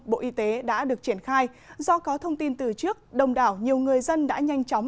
bộ y tế đã được triển khai do có thông tin từ trước đồng đảo nhiều người dân đã nhanh chóng